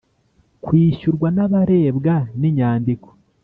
kwishyurwa n abarebwa n inyandiko